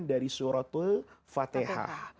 dari suratul fatihah